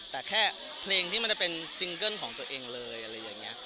แต่แค่เพลงที่เป็นซิงเกิ้ลของตัวเองเลย